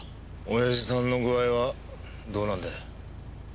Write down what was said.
親父さんの具合はどうなんだよ？